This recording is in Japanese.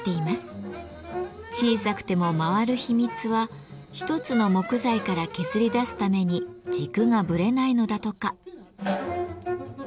小さくても回る秘密は一つの木材から削り出すために軸がぶれないのだとか。